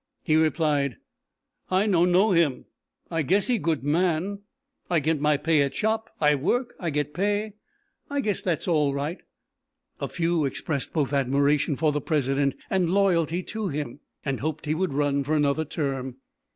He replied: "I no know him. I guess he good man, I get my pay at shop; I work, I get pay, I guess that all right." A few expressed both admiration for the President and loyalty to him, and hoped he would run for another term.